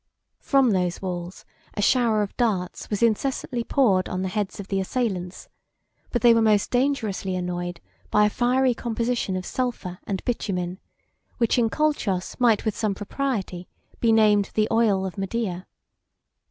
From those walls, a shower of darts was incessantly poured on the heads of the assailants; but they were most dangerously annoyed by a fiery composition of sulphur and bitumen, which in Colchos might with some propriety be named the oil of Medea.